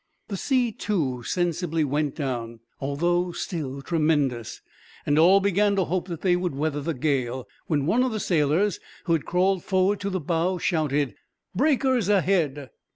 The sea, too, sensibly went down, although still tremendous; and all began to hope that they would weather the gale, when one of the sailors, who had crawled forward to the bow, shouted: "Breakers ahead!"